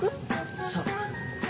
そう。